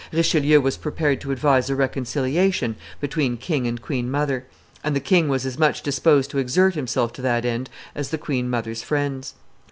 Richelieu was prepared to advise a reconciliation between king and queen mother, and the king was as much disposed to exert himself to that end as the queen mother's friends.